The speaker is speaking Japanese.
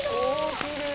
「きれい！」